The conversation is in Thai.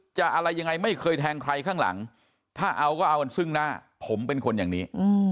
อะไรยังไงไม่เคยแทงใครข้างหลังถ้าเอาก็เอากันซึ่งหน้าผมเป็นคนอย่างนี้